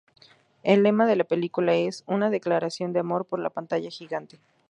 El lema de la película es: "Una declaración de amor por la pantalla gigante".